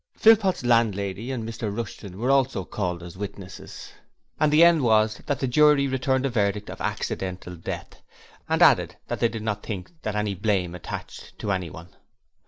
Philpot's landlady and Mr Rushton were also called as witnesses, and the end was that the jury returned a verdict of accidental death, and added that they did not think any blame attached to anyone.